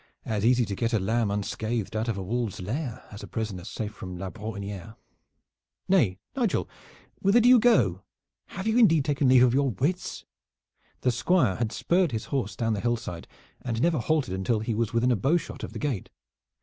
"As easy to get a lamb unscathed out of a wolves' lair as a prisoner safe from La Brohiniere. Nay, Nigel, whither do you go? Have you indeed taken leave of your wits?" The Squire had spurred his horse down the hillside and never halted until he was within a bowshot of the gate.